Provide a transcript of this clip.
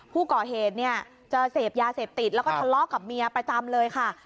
ภูเขาเหตุเขาจบเตรียมและถลอกกับเมียประจำเลยค่ะ